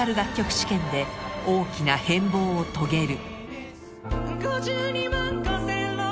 試験で大きな変貌を遂げる